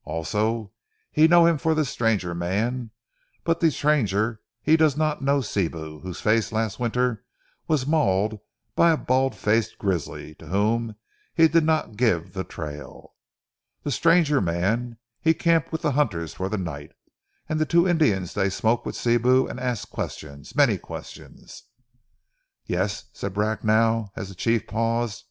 Also he know him for ze stranger mans; but ze stranger he does not know Sibou, whose face was last winter mauled by a bald faced grizzly to whom he did not give ze trail. The stranger mans he camp with the hunters for ze night, and ze two Indians they smoke with Sibou and ask questions, many questions." "Yes," said Bracknell, as the chief paused.